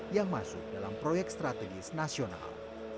yang masuk dalam proyek strategis nasional